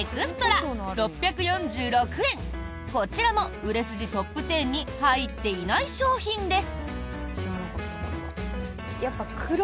こちらも売れ筋トップ１０に入っていない商品です。